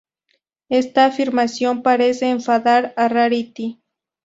Esta afirmación parece enfadar a Rarity.